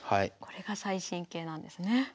これが最新形なんですね。